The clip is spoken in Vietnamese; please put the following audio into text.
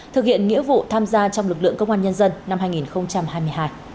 thực hiện nghĩa vụ tham gia trong lực lượng công an nhân dân năm hai nghìn hai mươi hai